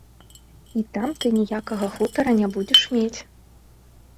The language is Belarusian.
І там ты ніякага хутара не будзеш мець.